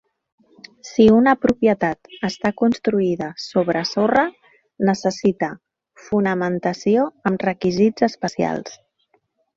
Si una propietat està construïda sobre sorra, necessita fonamentació amb requisits especials.